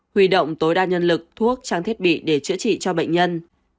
huy động tối đa nhân lực thuốc trang thiết bị để chữa trị cho bệnh nhân